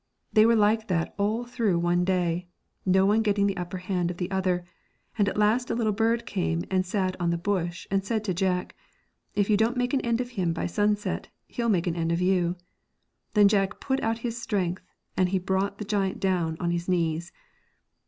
They were like that all through the day, no one getting the upper hand of the other, and at last a little bird came and sat on the bush and said to Jack, ' If you don't make an end of him by sunset, he'll make an end of you.' Then Jack put out his strength, and he brought the giant down on his knees.